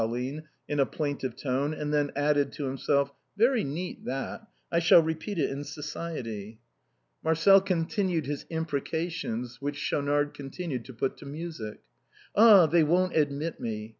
197 line, in a plaintive tone, and then added to himself, " Very neat, that; I shall repeat it in society! " Marcel continued his imprecations, which Schaunard continued to put to music. "Ah, they won't admit me